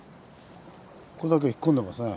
ここだけ引っ込んでますね。